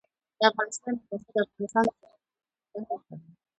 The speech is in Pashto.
د افغانستان د موقعیت د افغانستان د زرغونتیا نښه ده.